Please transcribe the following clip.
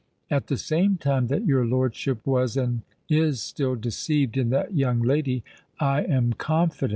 "At the same time that your lordship was and is still deceived in that young lady, I am confident."